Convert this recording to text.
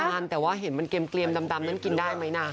แต่ว่าเห็นมันเกลียมดำนั้นกินได้ไหมนะ